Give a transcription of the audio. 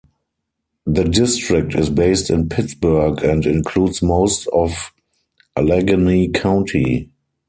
The district is based in Pittsburgh and includes most of Allegheny County.